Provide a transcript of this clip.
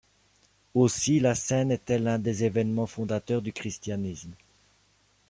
Aussi la Cène est-elle un des événements fondateurs du christianisme.